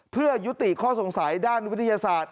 เพื่อยุติข้อสงสัยด้านวิทยาศาสตร์